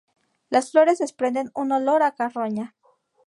Las flores desprenden un olor a carroña.